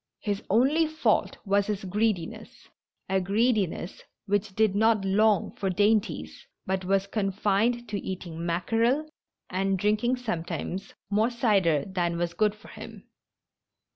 His only fault was his greediness — a greediness which did not long for dainties, but was con fined to eating mackerel and drinking sometimes more cider than was good for him.